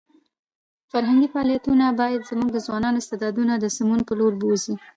فرهنګي فعالیتونه باید زموږ د ځوانانو استعدادونه د سمون په لور بوځي.